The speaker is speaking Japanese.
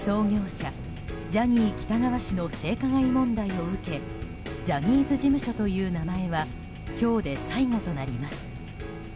創業者ジャニー喜多川氏の性加害問題を受けジャニーズ事務所という名前は今日で最後となります。